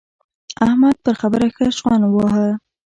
احمد پر خبره ښه شخوند وواهه.